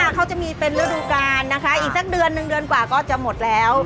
เขาจะมีเป็นฤดูกาลนะคะอีกสักเดือนหนึ่งเดือนกว่าก็จะหมดแล้ว